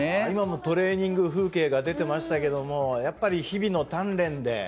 今もトレーニング風景が出てましたけどもやっぱり日々の鍛錬で。